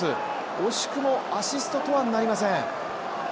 惜しくもアシストとはなりません。